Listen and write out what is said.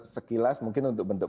sekilas mungkin untuk bentuk